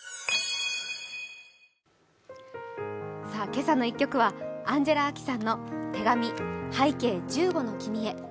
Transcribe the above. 今朝の一曲はアンジェラ・アキさんの「手紙拝啓十五の君へ」。